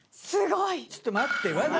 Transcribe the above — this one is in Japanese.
ちょっと待って。